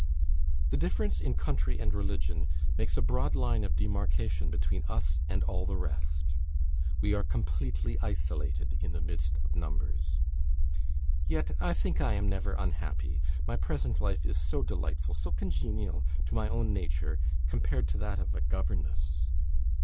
The difference in country and religion makes a broad line of demarcation between us and all the rest. We are completely isolated in the midst of numbers. Yet I think I am never unhappy; my present life is so delightful, so congenial to my own nature, compared to that of a governess.